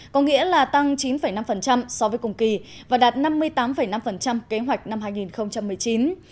có nghĩa là tăng chín năm so với cùng kỳ và đạt năm mươi tám năm kế hoạch năm hai nghìn một mươi chín